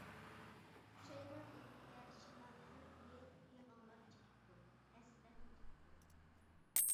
پۇشايمان ئىلكىدە شامال ھەر كۈنى، پىغانلار چېكىپتۇ، ھەسرەت يۇتۇپتۇ.